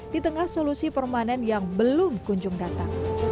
di tengah solusi permanen yang belum kunjung datang